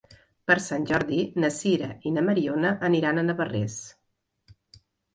Per Sant Jordi na Sira i na Mariona aniran a Navarrés.